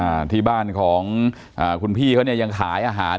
อุ้นอ่าที่บ้านของคุณพี่จะให้ยังขายอาหาร